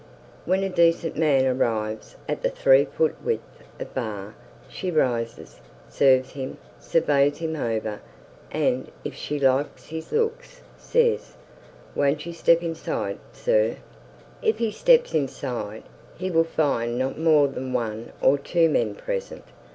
When a decent man arrives at the three foot width of bar, she rises, serves him, surveys him over, and, if she likes his looks, says: "Won't you step inside, sir?" If he steps inside, he will find not more than one or two men present.